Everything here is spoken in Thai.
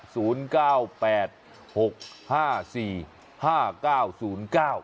หรือว่าวันนี้จะกินน้ำพริกปะถู